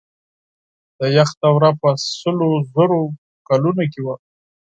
د یخ دوره په سلو زرو کلونو کې وه.